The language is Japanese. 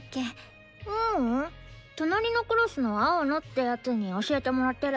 ううん隣のクラスの青野って奴に教えてもらってる。